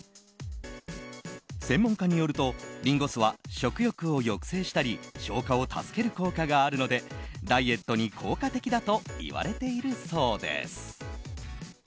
専門家によると、リンゴ酢は食欲を抑制したり消化を助ける効果があるのでダイエットに効果的だといわれているそうです。